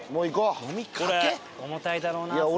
重たいだろうな。